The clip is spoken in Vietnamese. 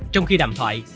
trong khi đàm thoại